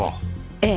ええ。